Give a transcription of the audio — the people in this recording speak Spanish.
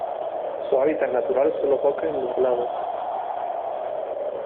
Su hábitat natural son los bosques nublados.